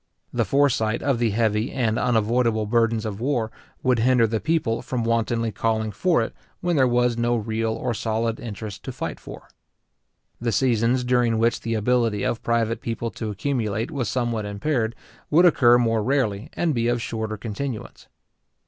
The foresight of the heavy and unavoidable burdens of war would hinder the people from wantonly calling for it when there was no real or solid interest to fight for. The seasons during which the ability of private people to accumulate was somewhat impaired, would occur more rarely, and be of shorter continuance.